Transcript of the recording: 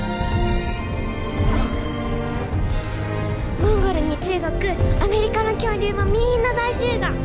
モンゴルに中国アメリカの恐竜もみんな大集合！